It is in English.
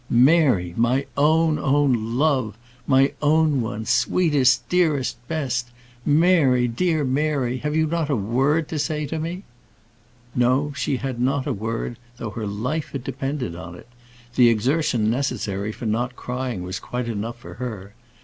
"Mary! my own, own love! my own one! sweetest! dearest! best! Mary! dear Mary! have you not a word to say to me?" No; she had not a word, though her life had depended on it. The exertion necessary for not crying was quite enough for her.